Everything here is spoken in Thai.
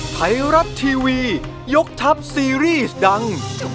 ไทยรัฐทีวียกทัพซีรีส์ดัง